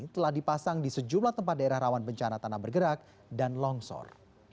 telah dipasang di sejumlah tempat daerah rawan bencana tanah bergerak dan longsor